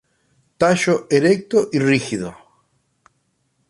Tallo erecto y rígido.